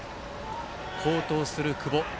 好投する久保。